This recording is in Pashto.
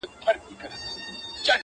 • په یوه کتاب څوک نه ملا کېږي -